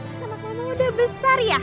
asal makamu udah besar ya